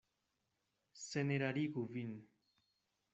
Senerarigu vin.